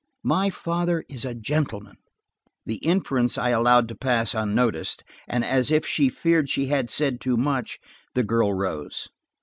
My father is a gentleman." The inference I allowed to pass unnoticed, and as if she feared she had said too much, the girl rose.